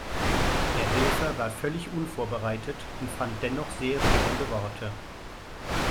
Der Helfer war völlig unvorbereitet und fand dennoch sehr rührende Worte.